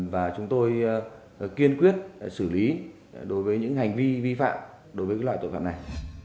và chúng tôi kiên quyết xử lý đối với những hành vi vi phạm đối với loại tội phạm này